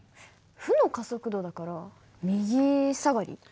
負の加速度だから右下がり？